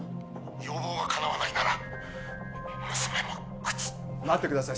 要望がかなわないなら娘も撃つ待ってください